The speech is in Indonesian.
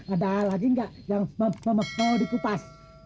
ada lagi gak yang memepau dikupas